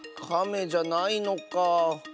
カメじゃないのかあ。